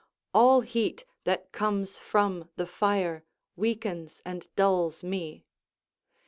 All heat that comes from the fire weakens and dulls me.